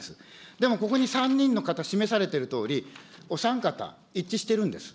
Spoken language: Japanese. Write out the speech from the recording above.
でもここに３人の方、示されているとおり、お三方、一致してるんです。